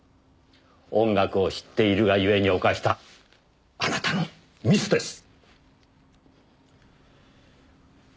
音楽を知っているがゆえに犯したあなたのミスです。